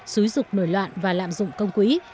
xúi dục nổi loạn và lạm dụng công quý